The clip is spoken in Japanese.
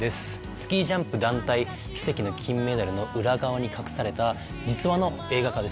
スキージャンプ団体奇跡の金メダルの裏側に隠された実話の映画化です。